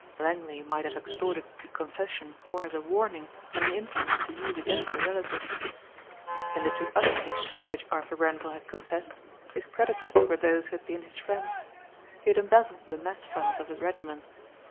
Langley might have extorted the confession more as a warning than an instrument to use against a relative. In the two other cases to which Arthur Grenvil had confessed his creditors were those who had been his friends. He had embezzled the mess funds of his regiment.